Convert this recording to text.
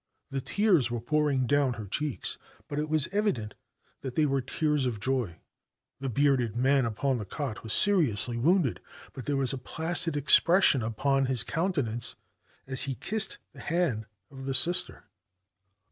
The tears were pouring down her cheeks, but it was evident that they were tears of joy. The bearded man upon the cot was seriously wounded, but there was a placid expression upon his countenance as he kissed the hands of the Sister.